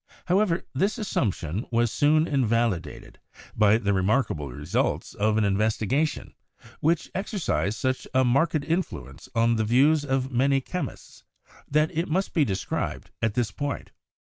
However, this assumption was soon invalidated by the remarkable results of an investigation which ex ercised such a marked influence on the views of many chemists that it must be described at this point.